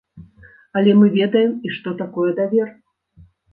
Але мы ведаем і што такое давер.